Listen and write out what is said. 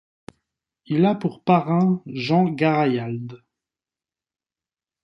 Il a pour parrain Jean Garaialde.